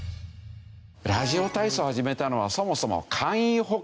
ラジオ体操を始めたのはそもそも簡易保険。